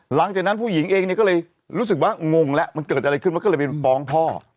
หลังจากนั้นผู้หญิงเองเนี่ยก็เลยรู้สึกว่างงแล้วมันเกิดอะไรขึ้นมันก็เลยไปฟ้องพ่อ